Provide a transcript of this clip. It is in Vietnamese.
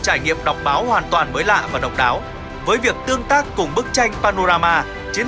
trải nghiệm đọc báo hoàn toàn mới lạ và độc đáo với việc tương tác cùng bức tranh panorama chiến